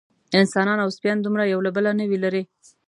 انسانان او سپیان دومره یو له بله نه وي لېرې.